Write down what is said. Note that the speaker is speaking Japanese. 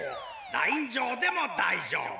ラインじょうでもだいじょうぶ。